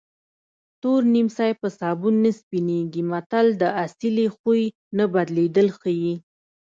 تور نیمڅی په سابون نه سپینېږي متل د اصلي خوی نه بدلېدل ښيي